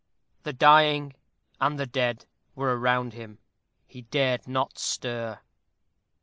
The dying and the dead were around him. He dared not stir.